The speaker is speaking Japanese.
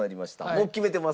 もう決めてます？